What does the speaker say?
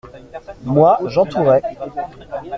Moi, j’entourais.